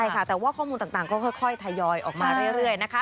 ใช่ค่ะแต่ว่าข้อมูลต่างก็ค่อยทยอยออกมาเรื่อยนะคะ